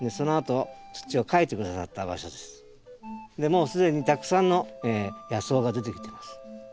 もう既にたくさんの野草が出てきてます。